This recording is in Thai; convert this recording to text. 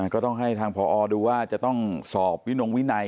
ก็ต้องให้ทางพอดูว่าจะต้องสอบวินงวินัย